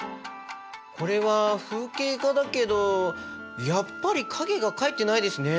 これは風景画だけどやっぱり影が描いてないですね。